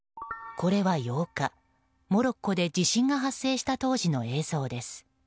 これは８日、モロッコで地震が発生した当時の映像です。